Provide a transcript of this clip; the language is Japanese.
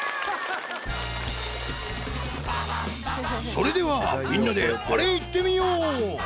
［それではみんなであれいってみよう］